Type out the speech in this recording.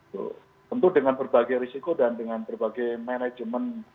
tentu dengan berbagai risiko dan dengan berbagai manajemen